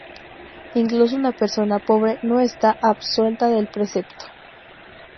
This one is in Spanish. Incluso una persona pobre no está absuelta del precepto.